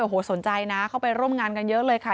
โอ้โหสนใจนะเข้าไปร่วมงานกันเยอะเลยค่ะ